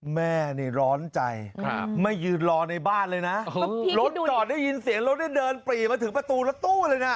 แม่นี่ร้อนใจไม่ยืนรอในบ้านเลยนะรถจอดได้ยินเสียงรถนี่เดินปรีมาถึงประตูรถตู้เลยนะ